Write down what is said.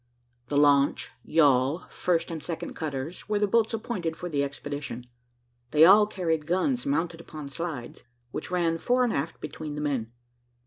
The launch, yawl, first and second cutters, were the boats appointed for the expedition. They all carried guns mounted upon slides, which ran fore and aft between the men.